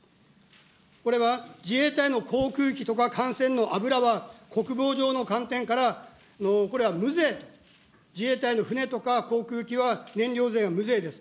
これは自衛隊の航空機とか艦船の油は、国防上の観点から、これは無税と、自衛隊の船とか航空機は燃料税は無税です。